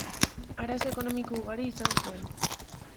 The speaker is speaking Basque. Arazo ekonomiko ugari izan zuen.